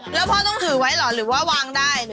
แล้วพ่อต้องถือไว้เหรอหรือว่าวางได้